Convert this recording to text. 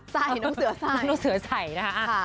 ใส่น้องเสือใส่นะคะค่ะ